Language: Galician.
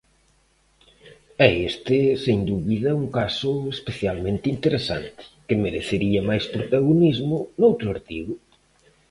É este sen dubida un caso especialmente interesante, que merecería máis protagonismo noutro artigo.